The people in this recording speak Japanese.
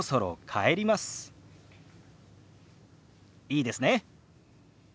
いいですね？